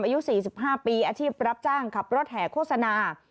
อายุ๔๕ปีอาชีพรับจ้างขับรถแห่โฆษณา